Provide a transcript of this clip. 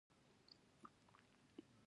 بېرته زما روح ما ته ستړی او مایوسه راشي.